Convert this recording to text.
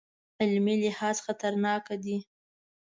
عملي لحاظ خطرناک دی.